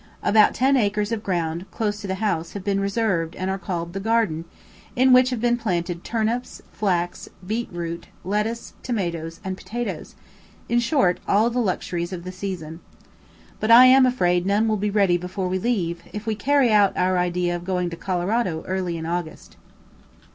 About ten acres of ground close to the house have been reserved and are called "the garden," in which have been planted turnips, flax, beet root, lettuce, tomatoes, and potatoes; in short, all the luxuries of the season. But I am afraid none will be ready before we leave, if we carry out our idea of going to Colorado early in August.